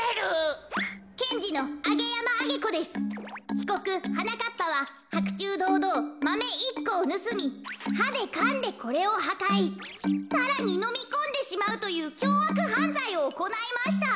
ひこくはなかっぱははくちゅうどうどうマメ１こをぬすみはでかんでこれをはかいさらにのみこんでしまうというきょうあくはんざいをおこないました。